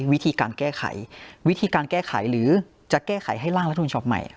วิธีการแก้ไขวิธีการแก้ไขหรือจะแก้ไขให้ร่างรัฐมนุนฉบับใหม่